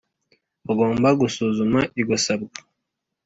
Bagomba gusuzuma iryo sabwa